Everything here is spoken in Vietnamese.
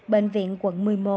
bệnh viện quận một mươi một